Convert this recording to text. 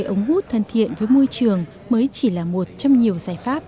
ống hút thân thiện với môi trường mới chỉ là một trong nhiều giải pháp